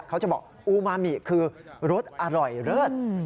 เขาจะบอกอูมามิคือรสอร่อยเลิศ